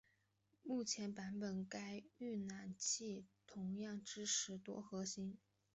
目前版本该预览器同样支持多核心。